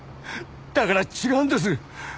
だから違うんです！